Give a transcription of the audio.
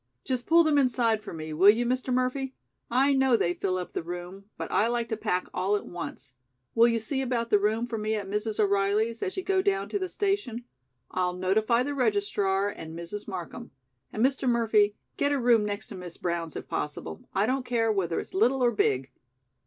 "Just pull them inside for me, will you, Mr. Murphy? I know they fill up the room, but I like to pack all at once. Will you see about the room for me at Mrs. O'Reilly's as you go down to the station? I'll notify the registrar and Mrs. Markham. And Mr. Murphy, get a room next to Miss Brown's, if possible. I don't care whether it's little or big."